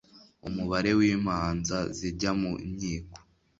umubare w'imanza zijya mu nkiko